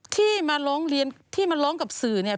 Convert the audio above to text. ที่มาร้องเรียนที่มาร้องกับสื่อเนี่ย